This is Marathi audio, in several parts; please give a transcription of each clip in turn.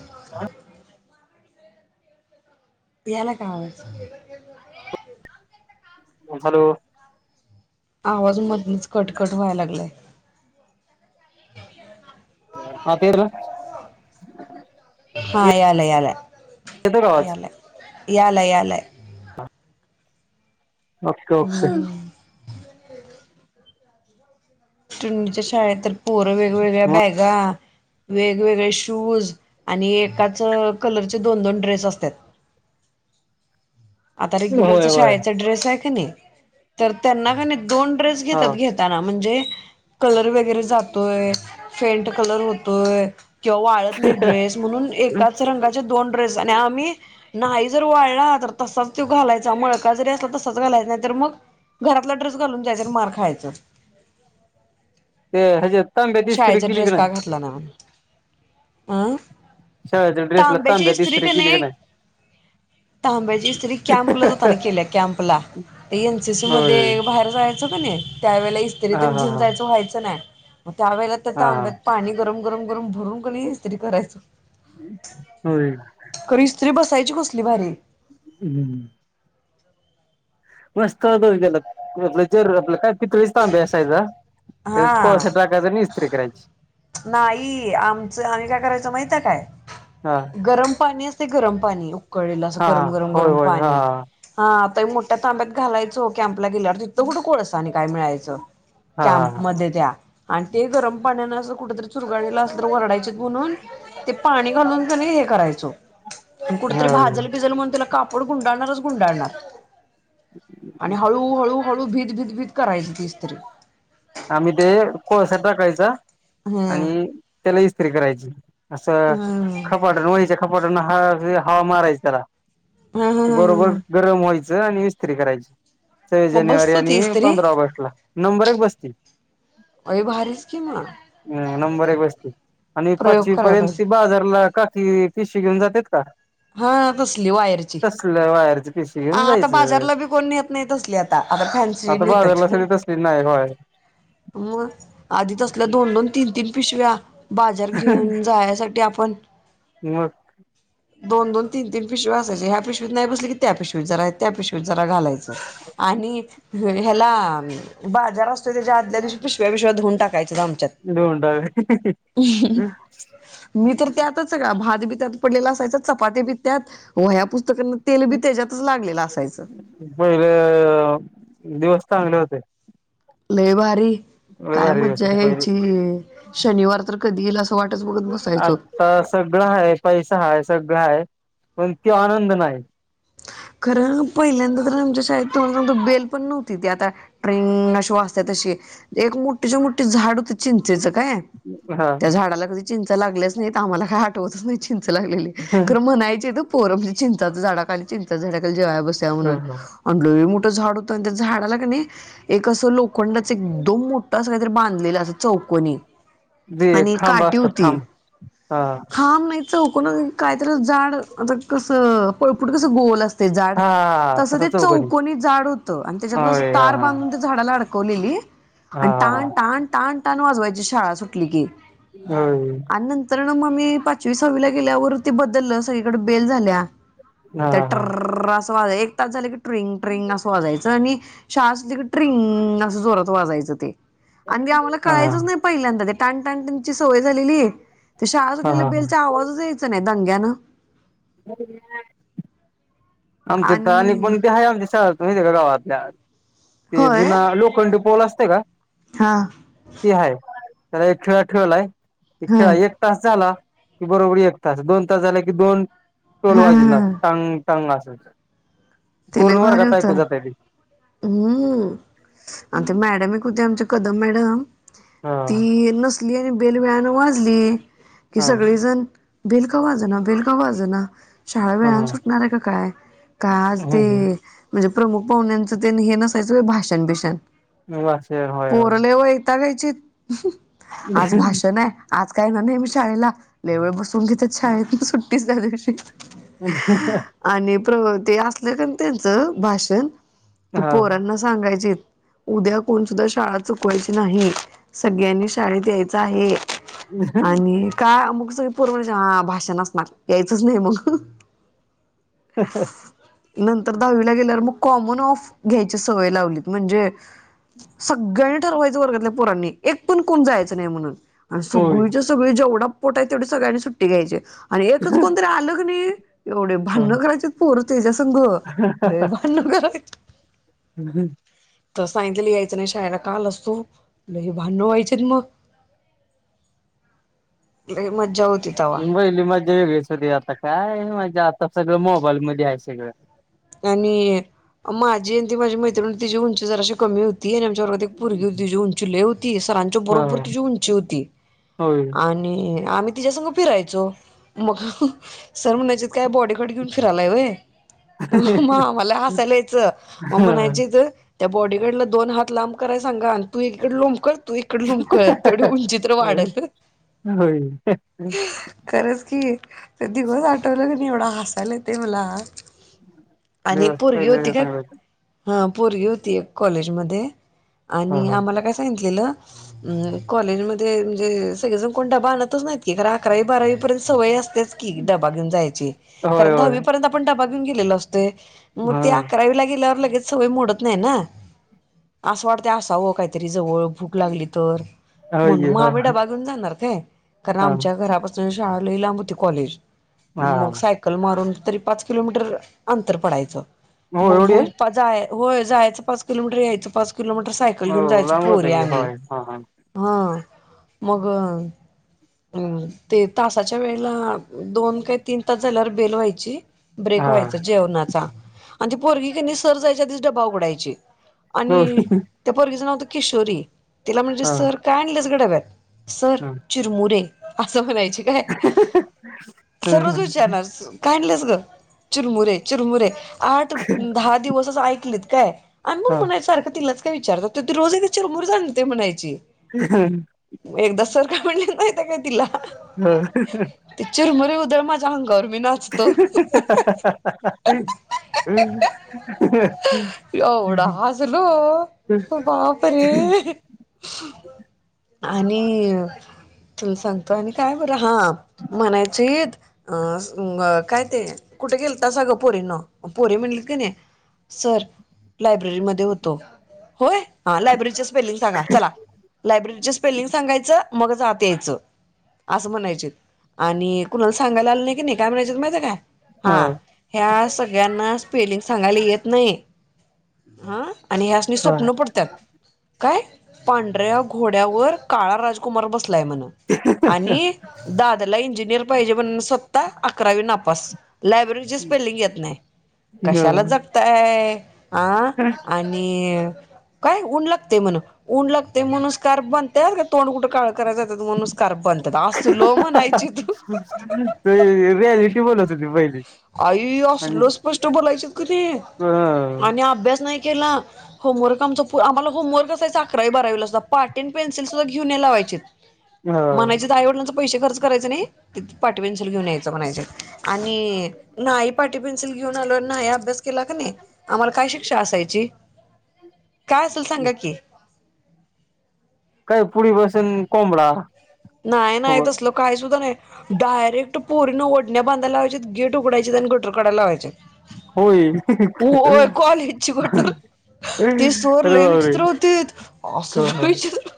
[unintelligible] येला का हॅलो आवाज मधच कटकट व्हाय लागलाय ह तेर हा याला याला येतोय का आवाज याला याला यालं ओके ओके टुंडीच्या शाळेत तर पोर वेगवेगळ्या बॅगा वेगवेगळे शूज आणि एकाच कलरचे दोन दोन ड्रेस असतात आता रेग्युलर होय त होय शाळाचा ड्रेस आहे का नाही तर त्यांना का दोन ड्रेस हा घेतात घेताना म्हणजे कलर वगैरे जातोय फेंट कलर होतोय किंवा वाळत नाही ड्रेस म्हणून एकाच रंगाचे दोन आम्ही नाही जर वाढला तसच तो घालायचा मळका जरी असला तसच घालायच नाही तर मग घरातला ड्रेस घालून जायच मार खायचं ते हज शाळेचा ड्रेस का घातला ना अं शाळेच्या ड्रेसला तांबे च तांब्यात इत्र्री इस्त्री केली की क नाही तांब्याचीत्री कॅम्पलाच होताना केल्या कॅम्प ला ते एनसीसी होय मध्ये बाहेर जायचं का नाही त्यावेेळेला इस्त्रीत हा हा घेऊन हा जायचं व्हायचं नाही मग त्या वेळेला तर हा तांब्यात पाणी गरम -गरम- गरम भरून कणी इस्त्री करायचो होय [inaudible] खरं इस्त्री बसायची कसली भारी हम्म... मस्त गला आपल्याचेर आपलं काय [unintelligible] पितळीचा तांब्या आसायचा त्यात हा कोळसा टाकायचा आणि इस्त्री करायची नाही आमचं- आम्ही काय करायचं माहित काय? हा गरम पाण्या ते गरम पाणी उकळलेल अस हा हा गरम -गरम होय -गरम होय हा पाणी हा... तर मोठ्या तांब्यात घालायचो कॅंपला गेल्यावर तिथं कुठं कोळसा आणि काय मिळायचं च हा कॅम्प हा मध्ये त्या आणि ते गरम पाण्यान असंच कुठ तरी चुरगळलेल असल तर वरडायचीत [inaudible] म्हणून ते पाणी घालून कणी हे करायचो [inaudible] आणि हा कुठेतरी होय भाजल भिजल म्हणून त्याला कापड गुंडाळणारच गुंडाळणार.. आणि हळू- हळू- हळू भीत -भीत- भीत करायच ती इस्त्री आम्ही ते कोळसा टाकायचा हम्म आणि त्याला इस्त्री करायची असं हम्म खपाट्या वयच्या खपाट्याना -ह हवा मारायची त्याला हा हा हा बरोबर हा गरम व्हायचं आणि इस्त्री करायची सव्वीस मग जानेवारी बसतो ती आणि इस्त्री पंधरा ऑगस्ट ला नंबरच बसतील अय भारीच कि मग [inaudible] हम् नंबर एक बस्ती आणि प्रयोग पाचवी कराय पर्यंत पाहिजे ती बाजारला खाकी पिशवी घेऊन जात्यात का हा कसली वायरची तसलं वायरची पिशी हा घेऊन आता जायचं बाजारला बी कोण न्हेत नाही तसली आता आता फॅन्सी आता नेत्यात बाजारला सगळी तसली नाही वायर [inaudible] मग आधी तसल्या दोन- दोन तीन -तीन पिशव्या बाजार घेऊन जायासाठी आपण मग दोन -दोन तीन -तीन पिशव्या असायच्या ह्या पिशवीत नाही बसली क त्या पिशवीत जरा त्या पिशवीत जरा घालायचं आणि ह्याला बाजार तर त्याच्या आदल्या दिवशी पिशव्या -बिशव्या धूवून टाकायच्या असायच्यात आमच्यात देऊन टाक [inaudible] मी तर त्यातच सगळा भात-बित त्यात पडलेल असायच चपात्या बी त्यात वह्या पुस्तक तेल [inaudible] बी त्याच्यातच लागलेलं असायचं पहिले दिवस चांगले होते लय भारी लय काय भारी दिवस मज्जा होते पहिले यायची शनिवार तर कधी येल अस आता सगळं आहे पैसा हाय सगळ सगळं आहे पण त्यो आनंद नाही खरं पहिल्यांदा तर आमच्या शाळेत तुम्हाला सांगतो बेल पण नव्हती ती आता ट्रिंंग.. अशी वाजत्या तशी एक मोठीच्या- मोठीे झाड होती चिं चिंचेच काय हा त्या झाडाला कधी चिंचा लागल्याच नाहीत आम्हाला काय आठवतच नाही चिं चिंच लागलेली खरं म्हणायचीत हं पोर चिंचाच्या झाडाखाली- चिंचेच्या झाडाखाली जेवाय बसूया म्हणून आणि लय मोठ्ठं झाड होत त्या झाडाला का नाही एक अस लोक लोखंडाच एकदम मोठा असं काहीतरी बांधलेलं असं चौकोनी ते आणि खांब काटी असतात होती खांब हा हाम मा चौकण -काय तेला जाड आता -कसं पळपुट कसं गो असते जाड हा तसं तसा ते चौकणी चौकोनी झाड होतं त्याला असं होय हा तार हा बांधून झाडाला अडकवून कोलेली [unintelligible] आणि हा टाण -टाण- टाण- टाण वाजवायची शाळा सुटली की होय आणि नंतर आणि मग मी पाचवी सहावी गेल्यावर ते बदललं सगळीकडे बेल झाल्या हा त्या हा टर्रररररर असं वाजा- एक तास झाले की ट्रिंग ट्रिंग असं वाजायचं आणि शाळा सुटली का ट्रिंगगगग.. असं चोरात वाजायचं ते आणि ते आम्हाला हा कळायचंच नाही पहिल्यांदा ते टाणटाणटाण त्यांची सवय झालेली आहे ते शाळा हा उठलेला हा बेलचा आवाजच यायचा नाही दंग्यानं [unintelligible] आमच्या तर आणि पण ते आहे आमच्या शाळत माहिती आहे का गावातल्या ते जुना लोखंड पोल असतय का? हां ते आहे त्याला एक खिळा ठेवलाय हा खेळा एक तास झाला कि बरोबर एक तास दोन तास झाले कि दोन टोल हा वाजणार हा टांग टांग [unintelligible] ते लई पूर्ण भारी वर्गात होत ऐकू जातंय ते हम्म आणि ते मॅडम एक होत्या आमच्या कद मॅडम हां ती नसली आणि बेलवेळाने वाजली कि हां सगळेजण बिल का वाजण बिल का वाजना शाळा वेळान हां सुटणार आहे का काय का आज ते हं, म्हणजे प्रमुख पाहुण्यांचं ते हे नसायचं भाषण भिषण ब सर होय होय य आज भाषण आहे आज काय ना नेहमी शाळेला लेवळ बसून घेत आ छाेत सुट्टीच त्यादिवशी [unintelligible] प्र ते असले का त्यांचं भाषण की हा पोरांना सांगायचे उद्या कोण सुद्धा शाळा चुकवायची नाही सगळ्यांनी शाळेत यायचं आहे आणि काय मग सर पूर्वजा भाषान असणार यायचं नाही मग ह ह नंतर दहावीला गेल्यावर मग कॉमन ऑफ घ्यायची सवय लावली म्हणजे सगळ्यांनी ठरवायचं वर्गातल्या पोरांनी एक पण कोण जायचं नाही म्हणून आणि होय सगळीच सगळे जेवढा पोटाय तेवढी सगळ्यांनी सुट्टी घ्यायची आणि एकच कोणतरी आलंग नाही एवढे भांण हां. करायचे पोरतेच्या संघ भांण कराय हम् हम् तर सांगित लि यायचं नाही शायला काल असतो लही भांड व्हायचे मग लई मजा होती तवा. बहिली मजा वेगळेस होते आता काय म्हणजे आता सगळं मोबाईल मध्ये आहे सगळं आणि माझी आणि ती माझी मैत्रिण तिची उंची जराशी कमी होती ती आणि आमच्या वर्गात एक पोरगी होती ती उंचीले होती सरांच्या हा बरोबर तिची उंची होती होय. आणि आम्ही तिच्या संघ फिरायचो मग सर म्हणाचत काय बॉडीकट घेऊन फिरायलाय वय मग आम्हाला हसायला यायचं मग हां. म्हणायचं ग त्या बॉडीगारडला दोन हात लांब कराय सांगा आणि तू एकीकडे लोंब कर तू इकड लुमकळत तेवढे उंचीत्र वाढल होय खरंच की तर दिवस आठवलं क नाही एवढा हासायला ते मला आणि एक दिवस पोरगी पहिले होती का हा हं पोरगी होती एक कॉलेजमध्ये हा आणि आम्हाला काय सांगितलेलं अ कॉलेजमध्येध्ये म्हणजे सगळेजण कोण डबा आणतच नाहीत की कारण अकरावी बारावी पर्यंत सवय असत च की डबा घेऊन जायचे होय, कारण होय. दहावीपर्यंत आपण डबा घेऊ गेलेलो असतो मग हा ते अकरावी ला गेल्यावर लगेच सवय मोडत नाही ना आसवाडते असावं काहीतरी जवळ भक लागली तर होय म्हण की मग हा आम्ही डबा घेऊन जाणार काय कारण हा आमच्या घरापासून श लाबती कॉलेज हा मग सायकल मारून तरी पाच किलोमीटर अंतर पडायचं हो मग एवढी आहे? भ जाय होय जायचं पाच किलोमीटर यायचं पाच किलोमीटर सायकल घेऊन हो जायची लांब होतं पोहरी की आम्ही होय हा हा हा मग अ ते तासाच्या वेळेला दोन काय तीन तास झाल्यावर बेल व्हायची ब्रेक हा व्हायची आणि पोरगी क सर जायच्या डबा उघडायचे आणि हो त्या परगीचं नावतं किशोरी तिला म्हणजे हा सर काय आणलेच घडाव्यात सर चिरमुरे असं म्हणायचे ठीय सर्ज चॅनस का आणलेस ग चिरमुरे चिरमुरे आठ दहा दिवसच ऐकलेत काय आणि मग हा म्हणायसारखं तिलाच काय विचारतात तर ती रोज चिरमुरे आणते म्हणायची हम्म का म्हणल्या माहिती आहे काय तिला हा उधर मा जाहंगर एवढा हसलो हम् बापरे! ह आणि तुला सांग आणि काय बरं हा म्हणायचित अ काय ते कुठे गेल ग पोरे न पोरे म्हणल की नाही सर लायब्ररी म होतो होय लायब्ररीच स्पेलिंग सांगा चला लायब्ररीच स्पेलिंग सांगायच मगच आत यायचं असं म्हणायचे आणि कुणाला सांगायला आलं नाही की नाही काय म्हणायच माहितं काय हा ह्या सगळ्यांना स्पेलिंग सांगायला येत नाही ह आणि हा स्वप्न पडतात काय पांढऱ्या घोड्यावर काळा राजकुमार बस सायला म्हण आणि दादला इंजिनिअर पायजे म्हण अकरावी नापास लाॅब्रेरी स्पेलिंग येत नाही कशाला जगताय अ आणि कायऊन लागतेय म्हण ऊन लागते म्हणूसकार बनते का तोंड कुठं काळ करायच तू नुसकार बनतात अस तू लो म्हणायची त दि बहिली आई असल स्पष्ट बोलायचे क नाही अ आणि अभ्यास नाही केला होमवर्क आमचा आ्हाला होमवर्क कायच अकरा बरावीला अस प पाट्टन पन्सिल सुद्धा घेऊन लावायचेत ह म्हणायची तर आई वडिलांचं पैसे खर्च करायचे नाही तिथे पाटीपेन्सिल घेऊन यायचं म्हणायचं आणि नाही पाठी पेन्सिल घेऊन आलो नाही अभ्यास केला का नाही आम्हाला काय शिक्षा असायची हम् काय असेल सांगा की पुढी बसून कोंबडा नाही नाही तसलं काय सुुद्धा नाही डायरेक्ट पोरिना ओण्या बांधा लावायच्यात गेट उघडायचे आणि गटर काढाय लावायची होय होय कॉलेज ची गटर ते सरं अरे लई बापरे विचित्र हॊतीत हा असलं विचित्र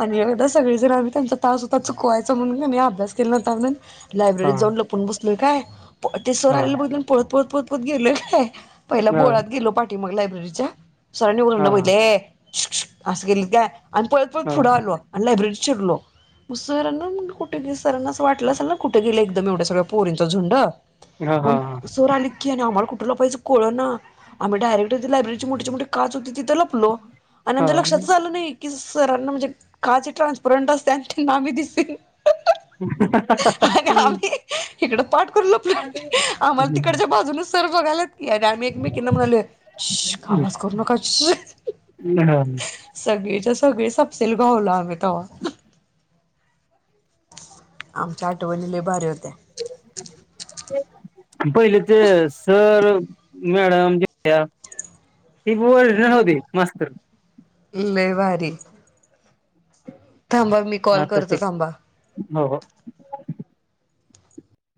आणि एवढं सगळेजण आम्ही त्यांचा तास होता चुकवायचा म्हणूनं अभ्यास केला नव्हता म्हणून लायब्ररीत जाऊन लपून बसलूय काय ते सरं हा हा आलेलं बघितलं पळत, पळत, पळत, पळत गेलोय काय पहिला हा बोळात गेलो पाठी मग लायब्ररीच्या सरांनी वरन हा बघितलेत ये शुक शुक असं केलेत काय आणि पळत, पळत पुढे आलो आणि लायब्ररीत शिरलो मग सरांना कुठे सरांना असं वाटलं असेल ना कुठे गेले एकदम एवढ्यागळ्या पोरींचा झुंड हा हा हा हा आणि सर आलेत कि आमाला कुठं कुटं लपायचं कळेना आमी डायरेक्ट लॅब्ररी मोठीची मोठी काच होती लपलो आणि नंतर लक्षातच आलं नाही की सरांना म्हणजे काचं ही ट्रान्सपरंट असत्या त्यांना आमी दिसलो. [inaudible] इकडं पाठ करून लपलोय आमाला तिकडच्या बाजून सर बघायलात की आमी एकमेकीना म्हणालोय शु आवाज करू नका. सगळेच्या सगळे सगळे सबसेल घावलो आमी तवा आमच्या आठवणी लय भारी होत्या. पहिलेचे सर, मॅडम ज ती बोल राहू दे मास्तरं लय भारी. थांबा मी कॉल आता ते करतो थांबा. हो